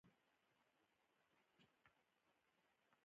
د پاموړ توپیرونه هم موجود و.